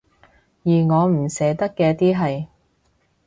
而我唔捨得嘅點係